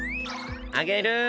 あげる。